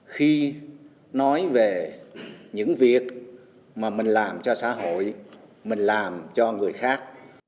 khi nói về những việc mà mình làm cho xã hội mình làm cho người khác